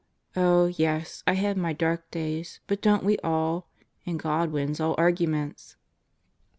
Oh, yes, I have my dark days; but don't we all? And God wins all arguments!